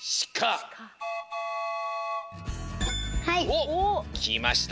おっきました